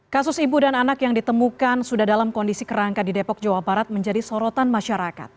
kasus ibu dan anak yang ditemukan sudah dalam kondisi kerangka di depok jawa barat menjadi sorotan masyarakat